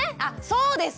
そうですね。